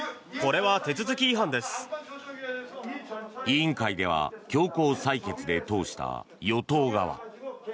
委員会では強行採決で通した与党側。